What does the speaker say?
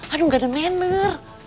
aduh gak ada manner